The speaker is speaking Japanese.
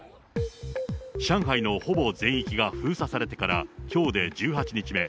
上海のほぼ全域が封鎖されてから、きょうで１８日目。